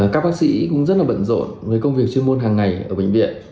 các bác sĩ cũng rất là bận rộn với công việc chuyên môn hàng ngày ở bệnh viện